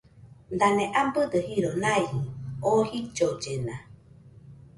Dane abɨdo jiro naijɨ oo jillollena.